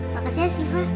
makasih ya siva